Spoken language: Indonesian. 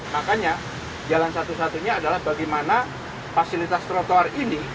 makanya jalan satu satunya adalah bagaimana fasilitas trotoar ini